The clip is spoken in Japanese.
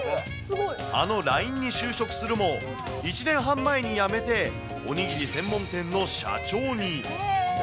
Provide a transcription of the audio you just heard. あのＬＩＮＥに就職するも、１年半前に辞めて、おにぎり専門店の社長に。